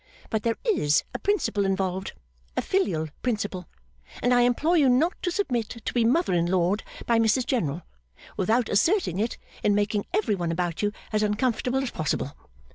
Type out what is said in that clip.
But there is a principle involved a filial principle and I implore you not to submit to be mother in lawed by Mrs General, without asserting it in making every one about you as uncomfortable as possible.